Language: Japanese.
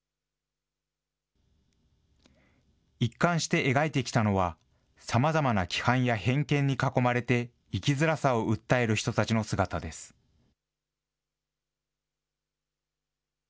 一貫して描いてきたのは、さまざまな規範や偏見に囲まれて生きづらさを訴える人たちの姿です。